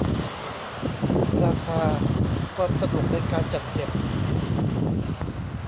ราคา ความสะดวกในการจัดเก็บ